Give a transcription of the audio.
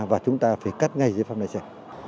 và chúng ta phải cắt ngay giấy phép lái xe